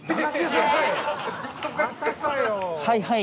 はいはい。